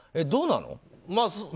どうなの？